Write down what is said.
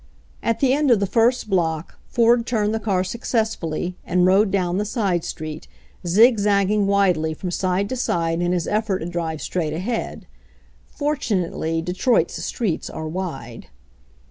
At the end of the first block Ford. turned the car successfully, and rode down the side street, zig zagging widely from side to side in his effort to drive straight ahead. Fortunately, Detroit's streets are wide.